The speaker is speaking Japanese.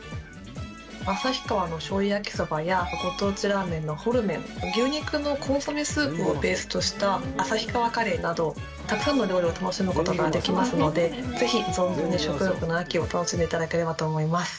旭川のしょうゆ焼きそばや、ご当地ラーメンのホルメン、牛肉のコンソメスープをベースとした旭川カレーなど、たくさんの料理を楽しむことができますので、ぜひ存分に食欲の秋を楽しんでいただければと思います。